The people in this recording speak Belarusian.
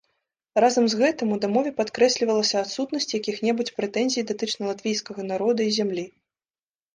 Разам з гэтым, у дамове падкрэслівалася адсутнасць якіх-небудзь прэтэнзій датычна латвійскага народа і зямлі.